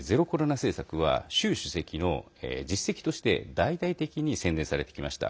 政策は習主席の実績として大々的に宣伝されてきました。